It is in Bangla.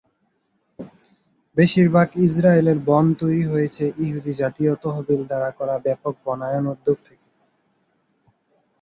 বেশিরভাগ ইসরায়েলের বন তৈরি হয়েছে ইহুদি জাতীয় তহবিল দ্বারা করা ব্যাপক বনায়ন উদ্যোগ থেকে।